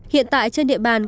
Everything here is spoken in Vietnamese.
hiện tại trên địa bàn